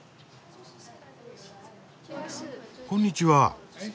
こんにちは。